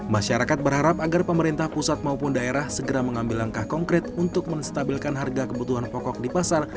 masyarakat berharap agar pemerintah pusat maupun daerah segera mengambil langkah konkret untuk menstabilkan harga kebutuhan pokok di pasar